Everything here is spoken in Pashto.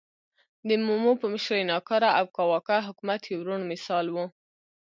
د مومو په مشرۍ ناکاره او کاواکه حکومت یو روڼ مثال و.